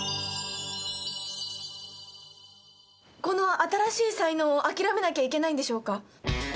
この新しい才能を諦めなきゃいけないんでしょうか。